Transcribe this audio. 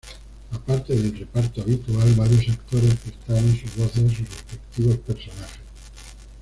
Aparte del reparto habitual, varios actores prestaron sus voces a sus respectivos personajes.